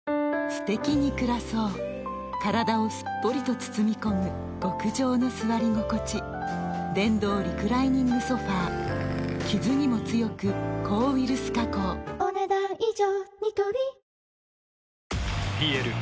すてきに暮らそう体をすっぽりと包み込む極上の座り心地電動リクライニングソファ傷にも強く抗ウイルス加工お、ねだん以上。